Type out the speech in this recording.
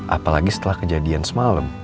apalagi setelah kejadian semalam